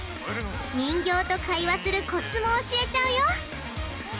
人形と会話するコツも教えちゃうよ！